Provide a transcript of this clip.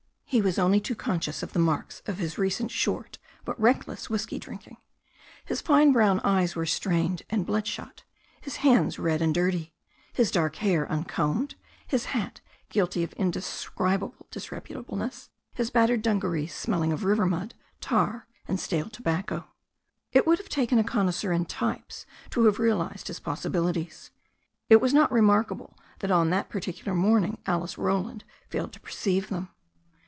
He was only too conscious of the marks of his recent short but reckless whisky drinking. His fine brown eyes were strained and blood shot, his hands red and dirty, his dark hair uncombed, his hat guilty of indescribable disrep utableness, his battered dungarees smelling of river mud, tar and stale tobacco. It would have taken a connoisseur in types to have real ized his possibilities. It was not remarkable that on that particular morning Alice Roland failed to perceive them.